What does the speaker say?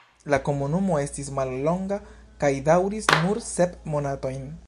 La komunumo estis mallonga kaj daŭris nur sep monatojn.